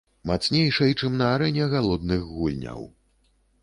Мацнейшай, чым на арэне галодных гульняў.